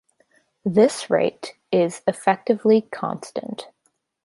This rate is effectively constant.